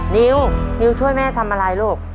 นิวนิวช่วยแม่ทำอะไรลูก